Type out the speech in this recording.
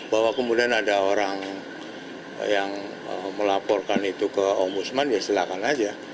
bahwa kemudian ada orang yang melaporkan itu ke ombudsman ya silakan aja